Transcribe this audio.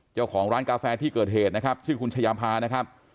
เจ้าของร้านกาแฟที่เกิดเหตุนะครับชื่อคุณชายาพานะครับ